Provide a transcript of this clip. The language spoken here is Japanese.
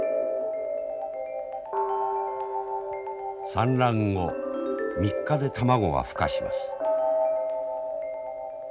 産卵後３日で卵は孵化します。